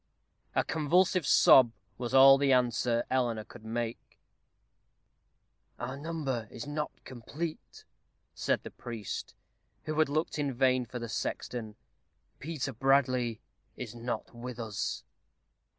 A convulsive sob was all the answer Eleanor could make. "Our number is not complete," said the priest, who had looked in vain for the sexton. "Peter Bradley is not with us."